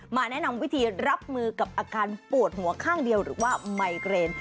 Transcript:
แนะนำวิธีรับมือกับอาการปวดหัวข้างเดียวหรือว่าไมเกรน